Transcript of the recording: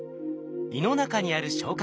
胃の中にある消化